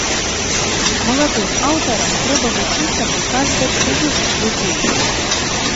Маладым аўтарам трэба вучыцца паказваць жывых людзей.